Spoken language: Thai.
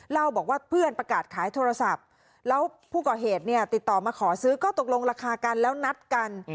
เล่าบอกว่าเพื่อนประกาศขายโทรศัพท์แล้วผู้ก่อเหตุเนี่ยติดต่อมาขอซื้อก็ตกลงราคากันแล้วนัดกัน